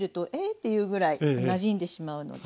ていうぐらいなじんでしまうので。